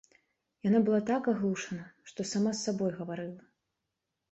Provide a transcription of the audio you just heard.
Яна была так аглушана, што сама з сабой гаварыла.